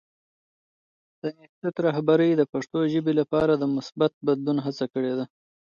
د انسټیټوت رهبرۍ د پښتو ژبې لپاره د مثبت بدلون هڅه کړې ده.